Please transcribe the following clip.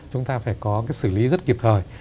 chúng ta phải có cái xử lý rất kịp thời